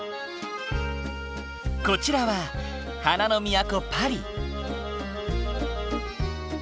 こちらは花の都パリ。